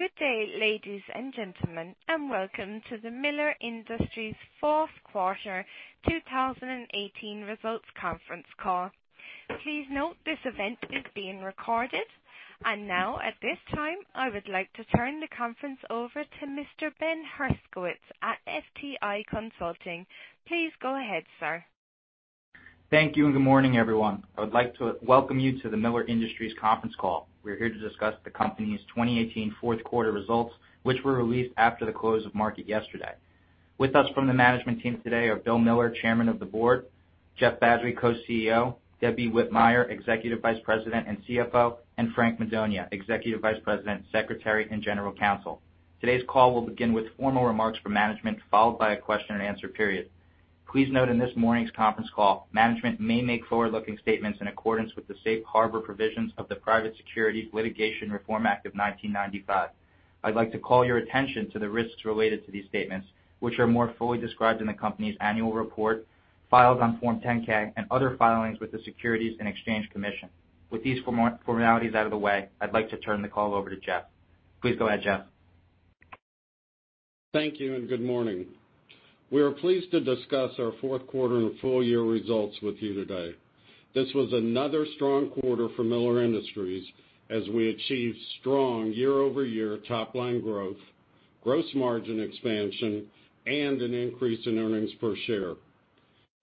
Good day, ladies and gentlemen, and welcome to the Miller Industries fourth quarter 2018 results conference call. Please note this event is being recorded. Now, at this time, I would like to turn the conference over to Mr. Ben Herskowitz at FTI Consulting. Please go ahead, sir. Thank you, good morning, everyone. I would like to welcome you to the Miller Industries conference call. We're here to discuss the company's 2018 fourth quarter results, which were released after the close of market yesterday. With us from the management team today are Bill Miller, Chairman of the Board, Jeff Badgley, Co-CEO, Debbie Whitmire, Executive Vice President and CFO, and Frank Madonia, Executive Vice President, Secretary, and General Counsel. Today's call will begin with formal remarks from management, followed by a question and answer period. Please note in this morning's conference call, management may make forward-looking statements in accordance with the safe harbor provisions of the Private Securities Litigation Reform Act of 1995. I'd like to call your attention to the risks related to these statements, which are more fully described in the company's annual report, filed on Form 10-K and other filings with the Securities and Exchange Commission. With these formalities out of the way, I'd like to turn the call over to Jeff. Please go ahead, Jeff. Thank you, good morning. We are pleased to discuss our fourth quarter and full year results with you today. This was another strong quarter for Miller Industries as we achieved strong year-over-year top-line growth, gross margin expansion, and an increase in earnings per share.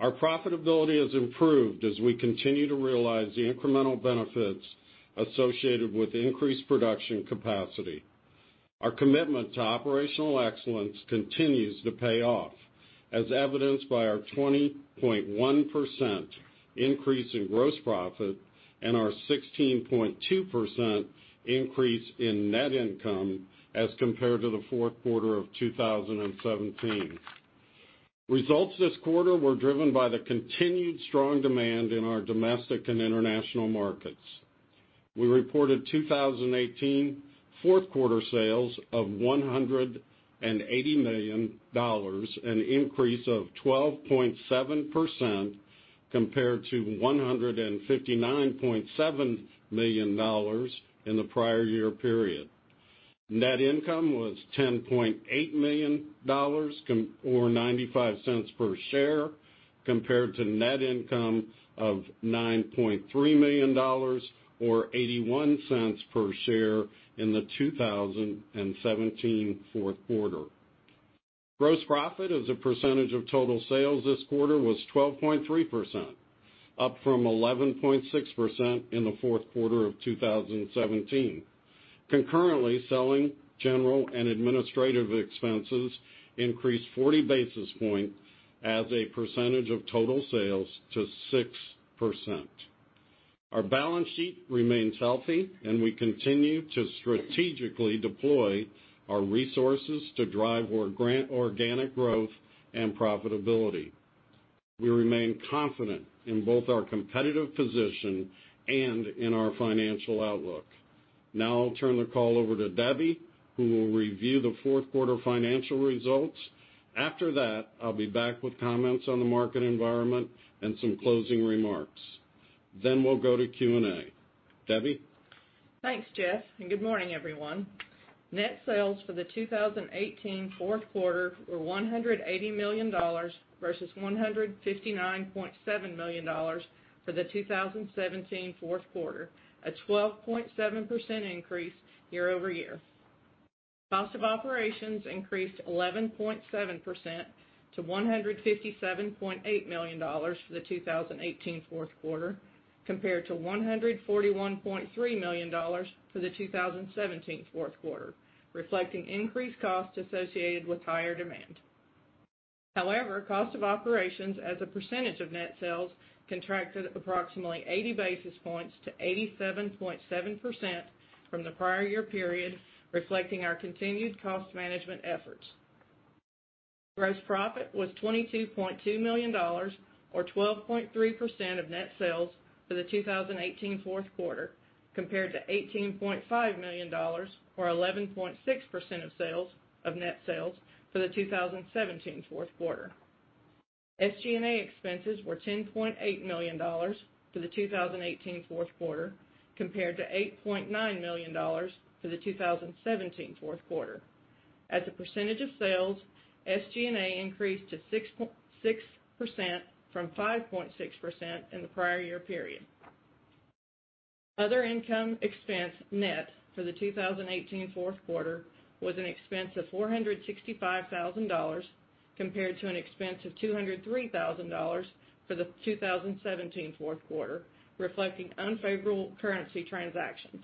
Our profitability has improved as we continue to realize the incremental benefits associated with increased production capacity. Our commitment to operational excellence continues to pay off, as evidenced by our 20.1% increase in gross profit and our 16.2% increase in net income as compared to the fourth quarter of 2017. Results this quarter were driven by the continued strong demand in our domestic and international markets. We reported 2018 fourth quarter sales of $180 million, an increase of 12.7% compared to $159.7 million in the prior year period. Net income was $10.8 million or $0.95 per share compared to net income of $9.3 million or $0.81 per share in the 2017 fourth quarter. Gross profit as a percentage of total sales this quarter was 12.3%, up from 11.6% in the fourth quarter of 2017. Concurrently, selling, general, and administrative expenses increased 40 basis points as a percentage of total sales to 6%. Our balance sheet remains healthy, and we continue to strategically deploy our resources to drive organic growth and profitability. We remain confident in both our competitive position and in our financial outlook. I'll turn the call over to Debbie, who will review the fourth quarter financial results. After that, I'll be back with comments on the market environment and some closing remarks. We'll go to Q&A. Debbie? Thanks, Jeff, good morning, everyone. Net sales for the 2018 fourth quarter were $180 million versus $159.7 million for the 2017 fourth quarter, a 12.7% increase year-over-year. Cost of operations increased 11.7% to $157.8 million for the 2018 fourth quarter, compared to $141.3 million for the 2017 fourth quarter, reflecting increased costs associated with higher demand. However, cost of operations as a percentage of net sales contracted approximately 80 basis points to 87.7% from the prior year period, reflecting our continued cost management efforts. Gross profit was $22.2 million or 12.3% of net sales for the 2018 fourth quarter, compared to $18.5 million or 11.6% of net sales for the 2017 fourth quarter. SG&A expenses were $10.8 million for the 2018 fourth quarter, compared to $8.9 million for the 2017 fourth quarter. As a percentage of sales, SG&A increased to 6% from 5.6% in the prior year period. Other income expense net for the 2018 fourth quarter was an expense of $465,000, compared to an expense of $203,000 for the 2017 fourth quarter, reflecting unfavorable currency transactions.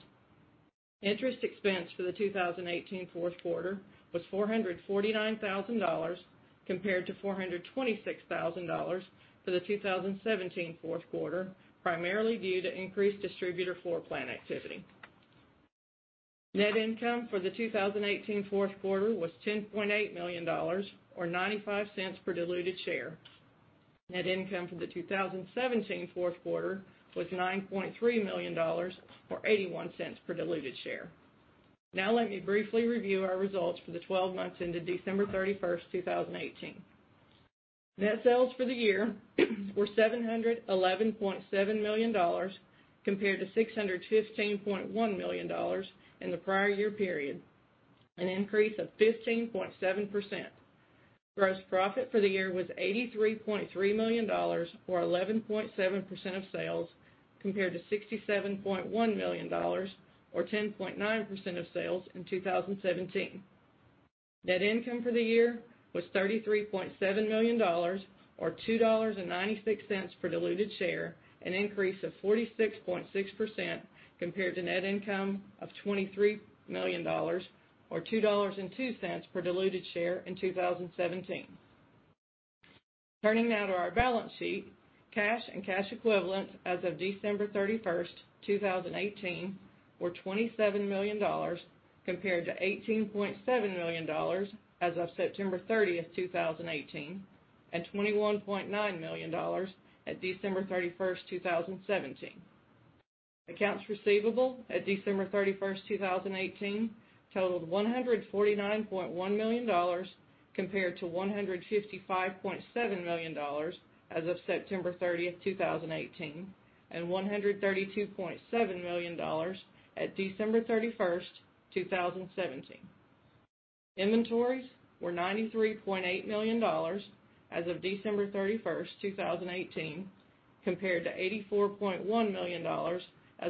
Interest expense for the 2018 fourth quarter was $449,000, compared to $426,000 for the 2017 fourth quarter, primarily due to increased distributor floor plan activity. Net income for the 2018 fourth quarter was $10.8 million or $0.95 per diluted share. Net income for the 2017 fourth quarter was $9.3 million or $0.81 per diluted share. Let me briefly review our results for the 12 months ended December 31st, 2018. Net sales for the year were $711.7 million compared to $615.1 million in the prior year period an increase of 15.7%. Gross profit for the year was $83.3 million or 11.7% of sales, compared to $67.1 million or 10.9% of sales in 2017. Net income for the year was $33.7 million or $2.96 per diluted share, an increase of 46.6% compared to net income of $23 million or $2.02 per diluted share in 2017. Turning now to our balance sheet, cash and cash equivalents as of December 31st, 2018, were $27 million compared to $18.7 million as of September 30th, 2018, and $21.9 million at December 31st, 2017. Accounts receivable at December 31st, 2018, totaled $149.1 million compared to $155.7 million as of September 30th, 2018, and $132.7 million at December 31st, 2017. Inventories were $93.8 million as of December 31st, 2018, compared to $84.1 million as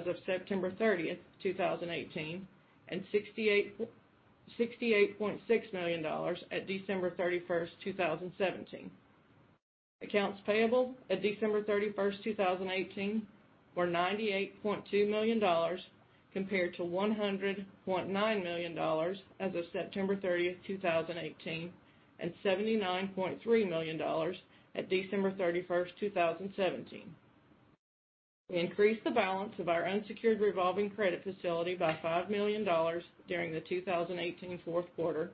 of September 30th, 2018, and $68.6 million at December 31st, 2017. Accounts payable at December 31st, 2018, were $98.2 million compared to $100.9 million as of September 30th, 2018, and $79.3 million at December 31st, 2017. We increased the balance of our unsecured revolving credit facility by $5 million during the 2018 fourth quarter,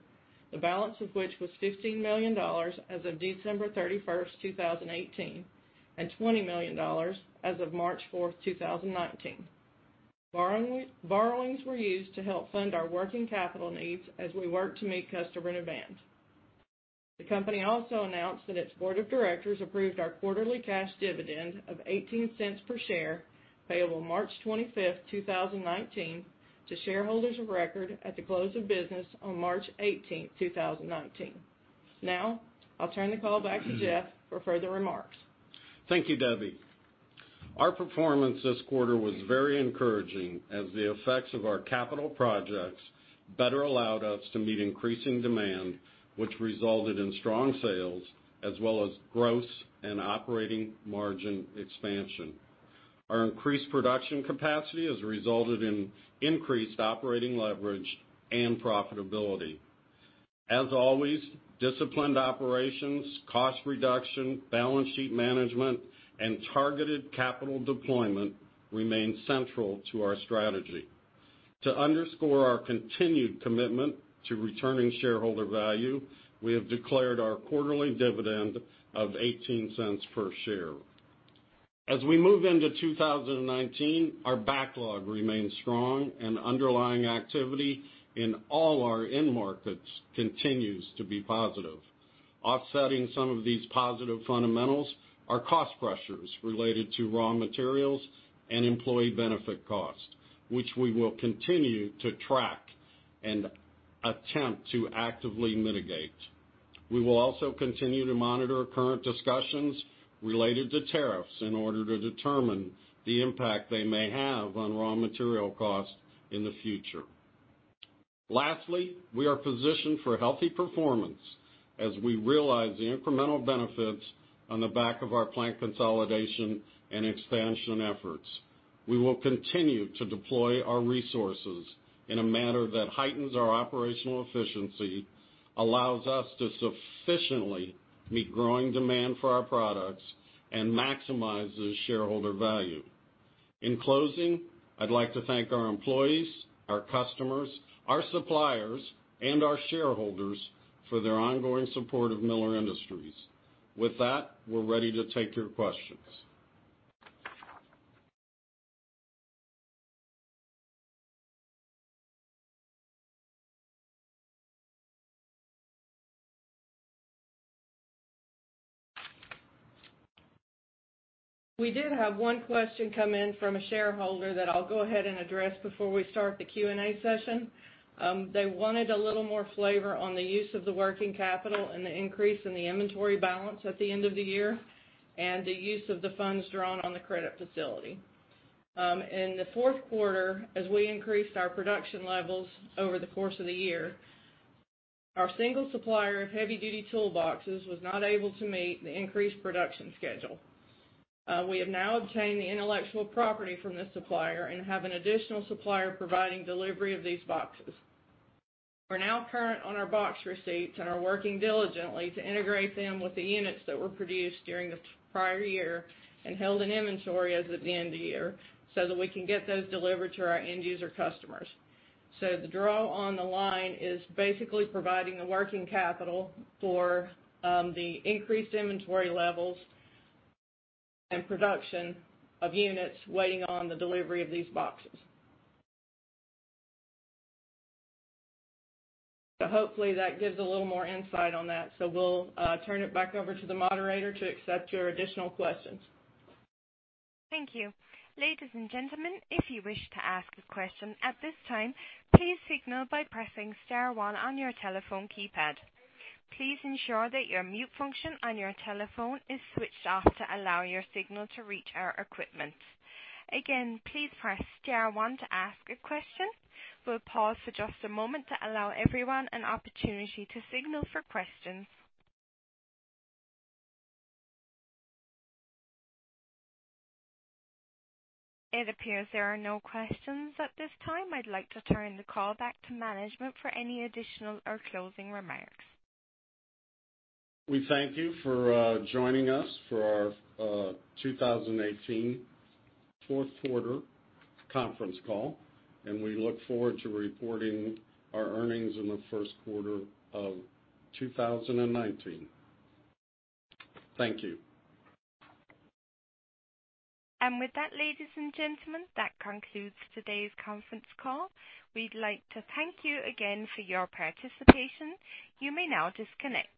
the balance of which was $15 million as of December 31st, 2018, and $20 million as of March 4th, 2019. Borrowings were used to help fund our working capital needs as we work to meet customer demand. The company also announced that its board of directors approved our quarterly cash dividend of $0.18 per share, payable March 25th, 2019, to shareholders of record at the close of business on March 18th, 2019. Now, I'll turn the call back to Jeff for further remarks. Thank you, Debbie. Our performance this quarter was very encouraging as the effects of our capital projects better allowed us to meet increasing demand, which resulted in strong sales as well as gross and operating margin expansion. Our increased production capacity has resulted in increased operating leverage and profitability. As always, disciplined operations, cost reduction, balance sheet management, and targeted capital deployment remain central to our strategy. To underscore our continued commitment to returning shareholder value, we have declared our quarterly dividend of $0.18 per share. As we move into 2019, our backlog remains strong and underlying activity in all our end markets continues to be positive. Offsetting some of these positive fundamentals are cost pressures related to raw materials and employee benefit costs, which we will continue to track and attempt to actively mitigate. We will also continue to monitor current discussions related to tariffs in order to determine the impact they may have on raw material costs in the future. Lastly, we are positioned for healthy performance as we realize the incremental benefits on the back of our plant consolidation and expansion efforts. We will continue to deploy our resources in a manner that heightens our operational efficiency, allows us to sufficiently meet growing demand for our products, and maximizes shareholder value. In closing, I'd like to thank our employees, our customers, our suppliers, and our shareholders for their ongoing support of Miller Industries. With that, we're ready to take your questions. We did have one question come in from a shareholder that I'll go ahead and address before we start the Q&A session. They wanted a little more flavor on the use of the working capital and the increase in the inventory balance at the end of the year and the use of the funds drawn on the credit facility. In the fourth quarter, as we increased our production levels over the course of the year, our single supplier of heavy duty toolboxes was not able to meet the increased production schedule. We have now obtained the intellectual property from this supplier and have an additional supplier providing delivery of these boxes. We're now current on our box receipts and are working diligently to integrate them with the units that were produced during the prior year and held in inventory as of the end of the year so that we can get those delivered to our end user customers. The draw on the line is basically providing the working capital for the increased inventory levels and production of units waiting on the delivery of these boxes. Hopefully that gives a little more insight on that. We'll turn it back over to the moderator to accept your additional questions. Thank you. Ladies and gentlemen, if you wish to ask a question at this time, please signal by pressing star one on your telephone keypad. Please ensure that your mute function on your telephone is switched off to allow your signal to reach our equipment. Again, please press star one to ask a question. We'll pause for just a moment to allow everyone an opportunity to signal for questions. It appears there are no questions at this time. I'd like to turn the call back to management for any additional or closing remarks. We thank you for joining us for our 2018 fourth quarter conference call. We look forward to reporting our earnings in the first quarter of 2019. Thank you. With that, ladies and gentlemen, that concludes today's conference call. We'd like to thank you again for your participation. You may now disconnect.